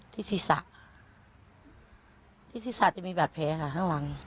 ที่ศิษย์ศาสตร์ที่ศิษย์ศาสตร์จะมีบาดแผลค่ะทางหลัง